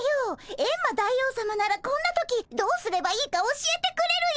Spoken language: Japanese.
エンマ大王さまならこんな時どうすればいいか教えてくれるよ。